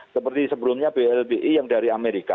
seperti sebelumnya blbi yang dari amerika